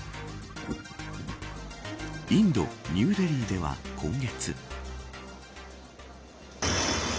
インド、ニューデリーでは今月。